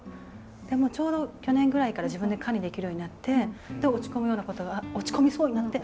でもちょうど去年ぐらいから自分で管理できるようになって落ち込むようなことが落ち込みそうになって。